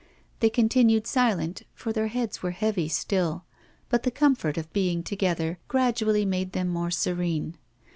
They continued silent, for their heads were heavy still, but the comfort of being together gradually made them more serene.